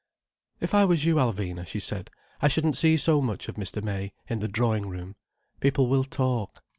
"If I was you, Alvina," she said, "I shouldn't see so much of Mr. May, in the drawing room. People will talk."